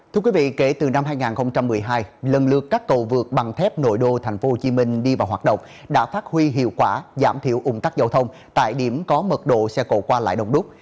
thưa quý vị kể từ năm hai nghìn một mươi hai lần lượt các cầu vượt bằng thép nội đô tp hcm đi vào hoạt động đã phát huy hiệu quả giảm thiểu ủng tắc giao thông tại điểm có mật độ xe cộ qua lại đông đúc